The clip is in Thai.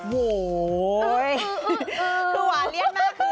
คือทุกอย่างเนี่ยให้เธอ